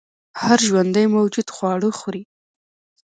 هر ژوندی موجود خواړه خوري